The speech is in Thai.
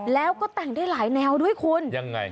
แล้วก็แต่งได้หลายแนวด้วยคุณยังไง